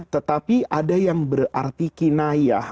tetapi ada yang berarti kinayah